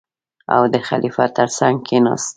او د خلیفه تر څنګ کېناست.